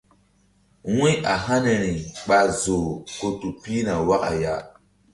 Wu̧y a haniri ɓa zoh ku tu pihna waka ya.